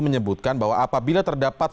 menyebutkan bahwa apabila terdapat